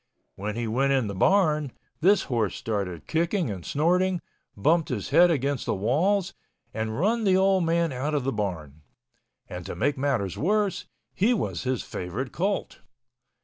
When he went in the barn, this horse started kicking and snorting, bumped his head against the walls and run the old man out of the barn—and to make matters worse, he was his favorite colt.